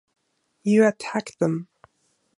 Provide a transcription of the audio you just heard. You attacked them.